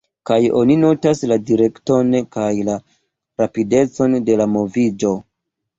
Kaj oni notas la direkton kaj la rapidecon de la moviĝo.